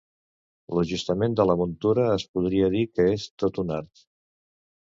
L'ajustament de la muntura es podria dir que és tot un art.